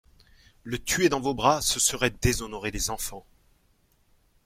Le tuer dans vos bras, ce serait déshonorer les enfants.